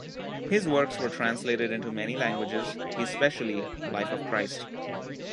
His works were translated into many languages, especially "Life of Christ".